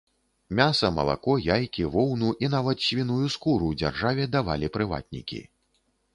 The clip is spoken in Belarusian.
Мяса, малако, яйкі, воўну і нават свіную скуру дзяржаве давалі прыватнікі.